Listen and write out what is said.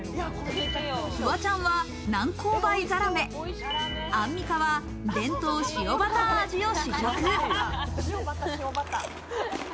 フワちゃんは南高梅ざらめ、アンミカは伝統塩バター味を試食。